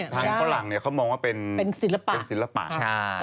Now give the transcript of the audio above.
ทางข้างหลังเขามองว่าเป็นศิลปะ